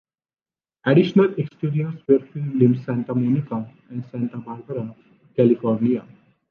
Additional exteriors were filmed in Santa Monica and Santa Barbara, California.